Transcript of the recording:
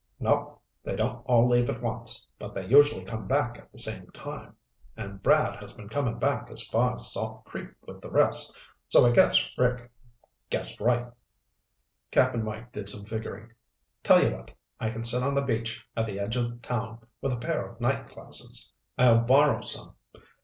"Nope. They don't all leave at once, but they usually come back at the same time. And Brad has been coming back as far as Salt Creek with the rest. So I guess Rick guessed right." Cap'n Mike did some figuring. "Tell you what. I can sit on the beach at the edge of town with a pair of night glasses. I'll borrow some.